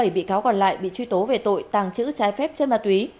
bảy bị cáo còn lại bị truy tố về tội tàng trữ trái phép chân ma túy